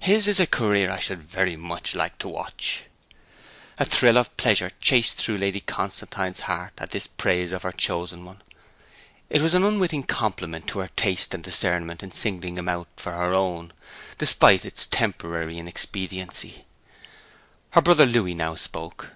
His is a career I should very much like to watch.' A thrill of pleasure chased through Lady Constantine's heart at this praise of her chosen one. It was an unwitting compliment to her taste and discernment in singling him out for her own, despite its temporary inexpediency. Her brother Louis now spoke.